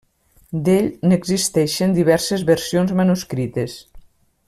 D'ell n’existeixen diverses versions manuscrites.